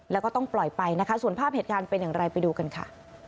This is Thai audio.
แล้วก็ต้องปล่อยไปนะคะส่วนภาพเหตุการณ์เป็นอย่างไรไปดูกันค่ะ